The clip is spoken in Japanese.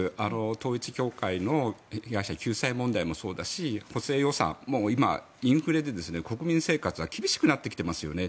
統一教会の被害者救済問題もそうだし補正予算も今、インフレで国民生活は厳しくなっていますよね。